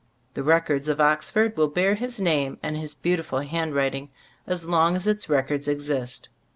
The records of Oxford will bear his name and his beautiful handwriting as long as its records exist.